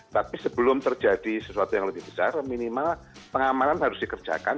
tapi sebelum terjadi sesuatu yang lebih besar minimal pengamanan harus dikerjakan